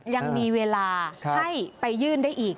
ยังมีเวลาให้ไปยื่นได้อีก